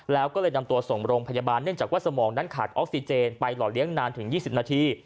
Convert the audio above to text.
แล้วก็เลยนำตัวส่งโรงพยาบาลเนื่องจากว่าสมองนั้นขาดออกซิเจนไปหล่อเลี้ยงนานถึง๒๐นาที